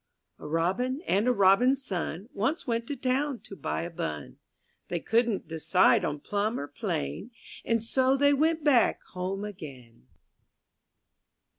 *:^^v4^ A robin and a robin's son ^^ Once went to town to buy a bun. They couldn't decide on plum or plain And so they went back home again.